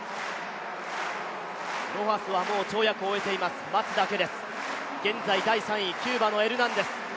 ロハスはもう跳躍を終えています、待つだけです、現在第３位、キューバエルナンデス。